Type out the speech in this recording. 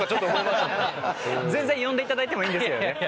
全然呼んでいただいてもいいんですけどね。